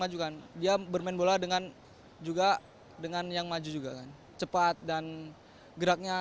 maju kan dia bermain bola dengan juga dengan yang maju juga cepat dan geraknya